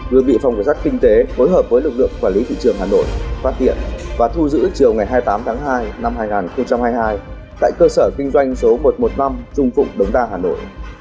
vừa bị phòng cảnh sát kinh tế phối hợp với lực lượng quản lý thị trường hà nội phát hiện và thu giữ chiều ngày hai mươi tám tháng hai năm hai nghìn hai mươi hai tại cơ sở kinh doanh số một trăm một mươi năm trung phụng đống đa hà nội